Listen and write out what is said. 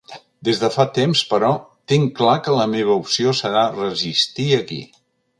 Des de fa temps, però, tinc clar que la meva opció serà resistir aquí.